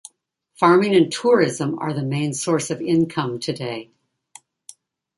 Farming and tourism are the main source of income today.